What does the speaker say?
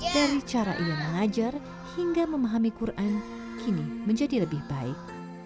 dari cara ia mengajar hingga memahami quran kini menjadi lebih baik